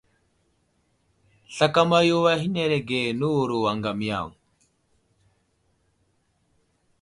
Slakama yo ahənərge nəwuro aŋgam yaŋ.